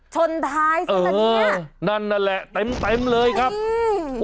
ชนท้ายสินะเนี่ยโอ้วนั่นแหละเต็มเลยครับนี่